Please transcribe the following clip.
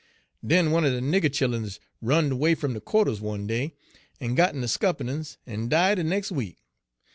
Den one er de nigger chilluns runned away fum de quarters one day, en got in de scuppernon's, en died de nex' week.